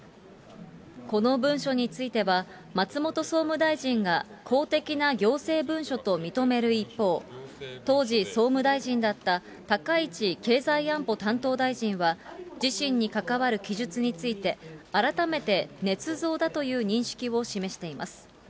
この文書については、松本総務大臣が公的な行政文書と認める一方、当時、総務大臣だった高市経済安保担当大臣は、自身に関わる記述について、改めてねつ造だという認識を示しています。